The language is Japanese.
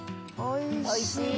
おいしい！